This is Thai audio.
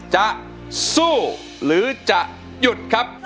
จะสู้หรือจะหยุดครับ